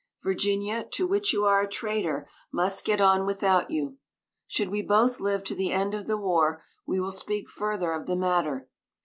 Virginia, to which you are a traitor, must get on without you. Should we both live to the end of the war, we will speak further of the matter.